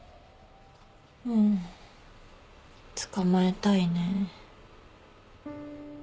うん捕まえたいね。